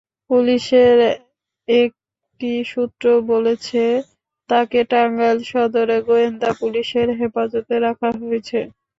পুলিশের একটি সূত্র বলেছে, তাঁকে টাঙ্গাইল সদরে গোয়েন্দা পুলিশের হেফাজতে রাখা হয়েছে।